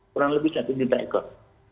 kurang lebih satu juta ekor